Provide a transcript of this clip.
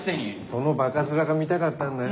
そのバカ面が見たかったんだよ。